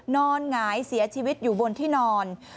หงายเสียชีวิตอยู่บนที่นอน